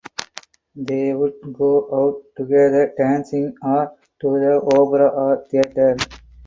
They would go out together dancing or to the opera or theatre.